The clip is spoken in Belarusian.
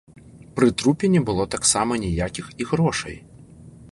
Пры трупе не было таксама ніякіх і грошай.